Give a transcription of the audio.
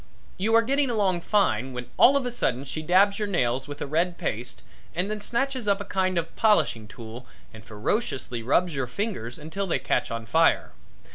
You are getting along fine, when all of a sudden she dabs your nails with a red paste and then snatches up a kind of a polishing tool and ferociously rubs your fingers until they catch on fire.